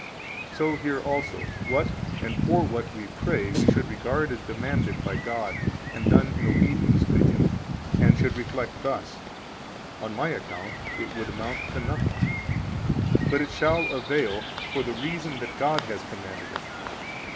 So here also, what and for what we pray we should regard as demanded by God and done in obedience to Him, and should reflect thus: On my account it would amount to nothing; but it shall avail, for the reason that God has commanded it.